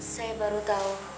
saya baru tahu